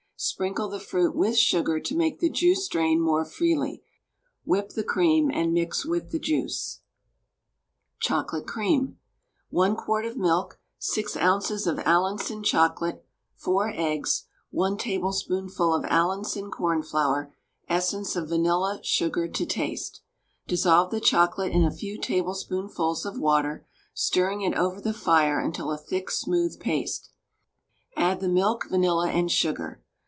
Sprinkle the fruit with sugar to make the juice drain more freely; whip the cream and mix with the juice. CHOCOLATE CREAM. 1 quart of milk, 6 oz. of Allinson chocolate, 4 eggs, 1 tablespoonful of Allinson corn flour, essence of vanilla, sugar to taste. Dissolve the chocolate in a few tablespoonfuls of water, stirring it over the fire until a thick, smooth paste; add the milk, vanilla, and sugar.